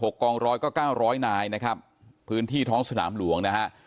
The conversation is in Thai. ๖กองร้อยก็๙๐๐นายนะครับพื้นที่ท้องสนามหลวงนะครับ